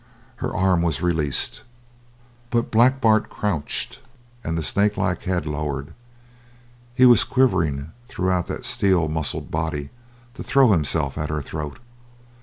Her arm was released. But Black Bart crouched and the snakelike head lowered; he was quivering throughout that steel muscled body to throw himself at her throat.